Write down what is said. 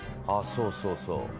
「ああそうそうそう」